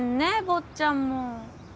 坊っちゃんも。